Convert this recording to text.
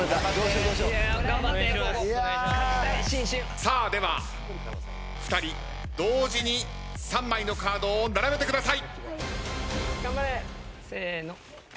さあでは２人同時に３枚のカードを並べてください。